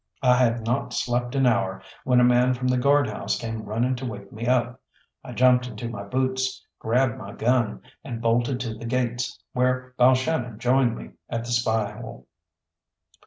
I had not slept an hour when a man from the guard house came running to wake me up. I jumped into my boots, grabbed my gun, and bolted to the gates, where Balshannon joined me at the spy hole.